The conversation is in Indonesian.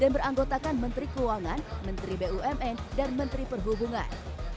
yang beranggotakan menteri keuangan menteri bumn dan menteri perhubungan